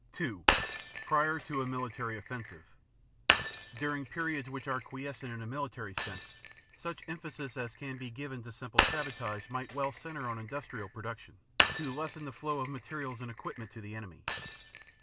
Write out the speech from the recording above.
(2) Prior to a Military Offensive During periods which are quiescent in a military sense, such emphasis as can be given to simple sabotage might well center on industrial production, to lessen the flow of materials and equipment to the enemy.